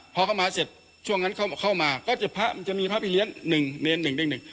พ่อเข้ามาเสร็จช่วงนั้นเข้ามาก็จะมีพระพิเศษหนึ่งเรียนหนึ่งเรียนหนึ่ง